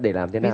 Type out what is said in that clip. để làm thế nào